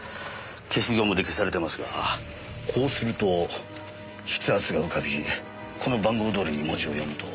消しゴムで消されてますがこうすると筆圧が浮かびこの番号どおりに文字を読むと。